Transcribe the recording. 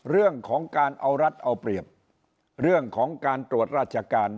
เรื่องของการเอารัฐเอาเปรียบเรื่องของการตรวจราชการ